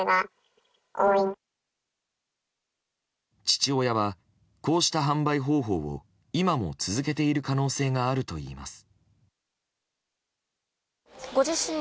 父親はこうした販売方法を今も続けている可能性があるといいます。